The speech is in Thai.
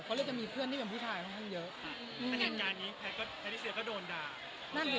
เขาเรียกจะมีเพื่อนที่เป็นผู้ชายประมาณเยอะ